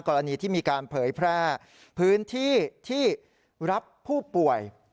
กรณีที่มีการเผยแพร่พื้นที่ที่รับผู้ป่วย